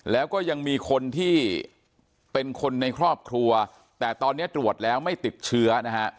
แล้วก็ยังมีคนที่เป็นคนในครอบครัวแต่ตอนนี้ตรวจแล้วไม่ติดเชื้อนะฮะ